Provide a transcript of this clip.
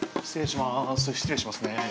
失礼しますね。